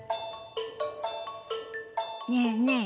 ねえねえ